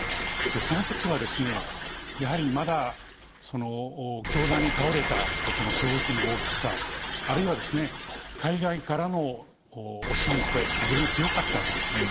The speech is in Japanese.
そのときは、やはりまだ、凶弾に倒れたことの衝撃の大きさ、あるいは海外からの惜しむ声、非常に強かったわけです。